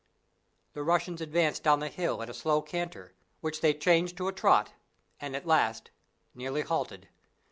The Russians advanced down the hill at a slow canter, which they changed to a trot, and at last nearly halted.